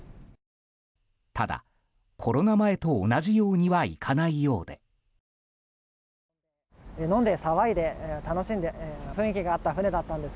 ただ、コロナ前と同じようにはいかないようで。